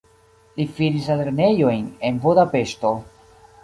Li finis la lernejojn en Budapeŝto.